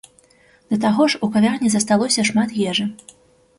Да таго ж у кавярні засталося шмат ежы.